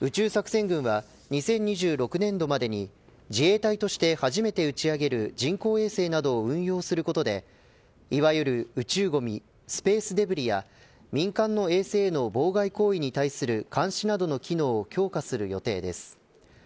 宇宙作戦群は２０２６年度までに自衛隊として初めて打ち上げる人工衛星などを運用することでいわゆる宇宙ゴミスペースデブリや民間の衛星への妨害行為に対する監視などの機能を強化する予定です。